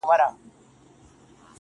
زما د ژوند د كرسمې خبري.